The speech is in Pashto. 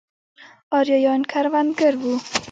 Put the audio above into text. ارایایان کروندګر وو.